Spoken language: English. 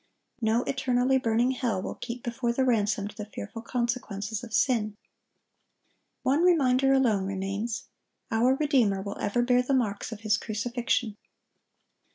No eternally burning hell will keep before the ransomed the fearful consequences of sin. One reminder alone remains: our Redeemer will ever bear the marks of His crucifixion.